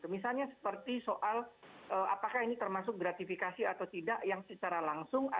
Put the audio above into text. misalnya seperti soal apakah ini termasuk gratifikasi atau tidak yang secara langsung